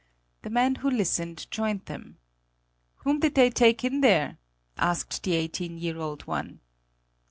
The man who listened joined them. "Whom did they take in there?" asked the eighteen year old one.